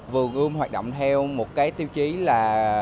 vườn uông hoạt động theo một tiêu chí là